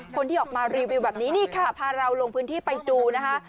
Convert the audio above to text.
คนที่ออกมารีวิวแบบนี้นี่ค่ะพาเราลงพื้นที่ไปดูนะคะ